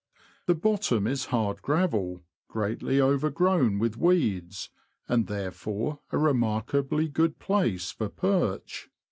The bottom is hard gravel, greatly overgrown with weeds, and therefore a remarkably good place for perch.